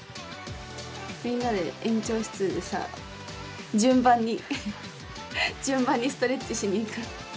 みんなで園長室でさ順番に順番にストレッチしにいく。